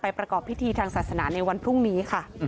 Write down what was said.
ประกอบพิธีทางศาสนาในวันพรุ่งนี้ค่ะ